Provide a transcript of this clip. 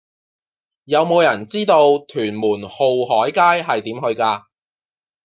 有無人知道屯門浩海街係點去㗎